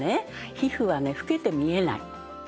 皮膚はね老けて見えない。